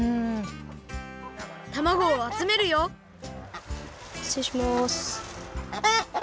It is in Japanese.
たまごをあつめるよしつれいします。